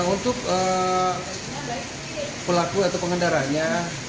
untuk pelaku atau pengendaranya